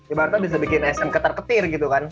ibaratnya bisa bikin sm ketar ketir gitu kan